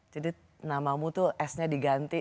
jadi namamu tuh s nya diganti